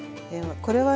これはね